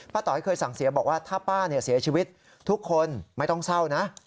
ต๋อยเคยสั่งเสียบอกว่าถ้าป้าเสียชีวิตทุกคนไม่ต้องเศร้านะ